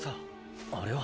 あれは？